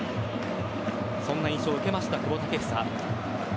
そんな印象を受けました久保建英。